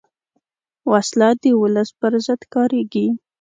وسله د ولس پر ضد کارېږي